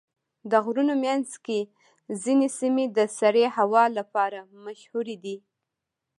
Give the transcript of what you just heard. د غرونو منځ کې ځینې سیمې د سړې هوا لپاره مشهوره دي.